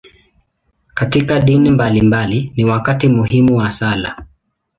Katika dini mbalimbali, ni wakati muhimu wa sala.